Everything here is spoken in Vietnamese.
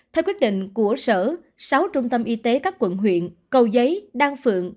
theo quyết định của sở sáu trung tâm y tế các quận huyện cầu giấy đan phượng